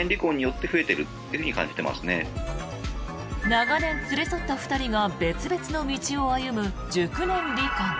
長年連れ添った２人が別々の道を歩む熟年離婚。